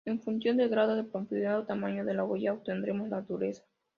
En función del grado de profundidad o tamaño de la huella, obtendremos la dureza.